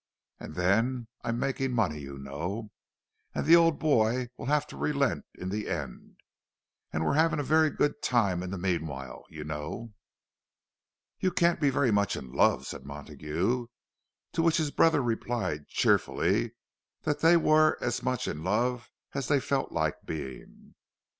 And then I'm making money, you know—and the old boy will have to relent in the end. And we're having a very good time in the meanwhile, you know." "You can't be very much in love," said Montague—to which his brother replied cheerfully that they were as much in love as they felt like being.